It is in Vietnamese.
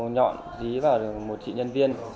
nhọn dí vào được một chị nhân viên